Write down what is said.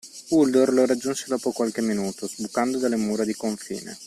Uldor lo raggiunse dopo qualche minuto, sbucando dalle mura di confine.